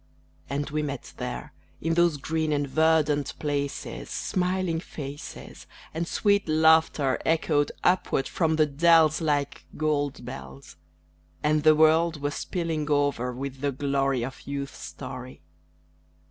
And we met there, in those green and verdant places, Smiling faces, And sweet laughter echoed upward from the dells Like gold bells. And the world was spilling over with the glory Of Youth's story.